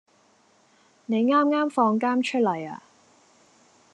你啱啱放監出嚟呀？